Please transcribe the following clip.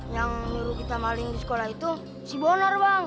yang nuru kita maling di sekolah itu si bonar bang